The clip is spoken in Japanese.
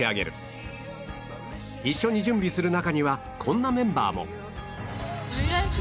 一緒に準備する中にはこんなメンバーも